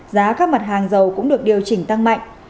giá các mặt hàng dầu cũng được điều chỉnh tăng mạnh